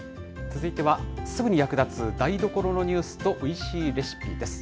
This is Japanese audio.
続いては、すぐに役立つ台所のニュースとおいしいレシピです。